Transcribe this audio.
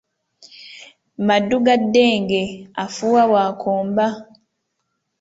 Maddu ga ddenge ofuuwa bw’okomba.